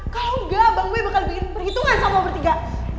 kalau enggak abang gue bakal bikin perhitungan sama omor tiga